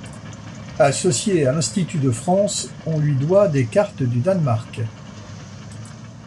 Associé à l'Institut de France, on lui doit des cartes du Danemark.